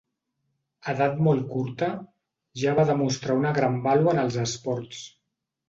A edat molt curta, ja va demostrar una gran vàlua en els esports.